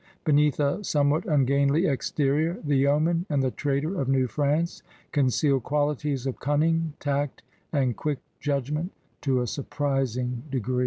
Beneath a somewhat ungainly exterior the yeoman and the trader of New France concealed qualities of cunning, tact, and quick judgment to a surprising d^ree.